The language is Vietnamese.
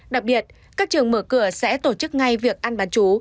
đặc biệt các trường mở cửa sẽ tổ chức ngay việc ăn bán chú